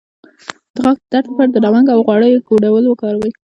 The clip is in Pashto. د غاښ د درد لپاره د لونګ او غوړیو ګډول وکاروئ